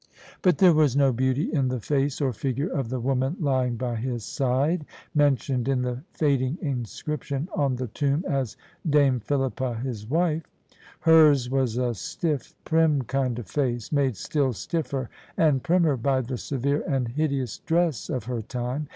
But there was no beauty in the face or figure of the woman lying by his side, mentioned in the fading inscription on the tomb as " Dame Philippa his wife." Hers was a stiff prim kind of face, made still stiffer and primmer by the severe and hideous dress of her time.